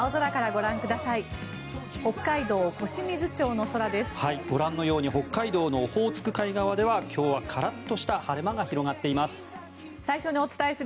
ご覧のように北海道のオホーツク海側では今日はカラッとした晴れ間が広がっています。